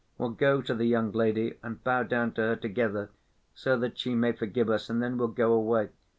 We'll go to the young lady and bow down to her together, so that she may forgive us, and then we'll go away.